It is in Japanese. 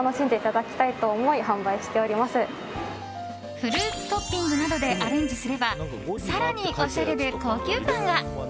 フルーツトッピングなどでアレンジすれば更に、おしゃれで高級感が。